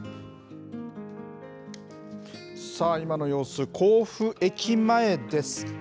さあ、今の様子、甲府駅前です。